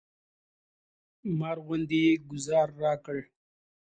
مار غوندې یې ګوزار راکړ.